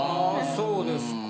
そうですか。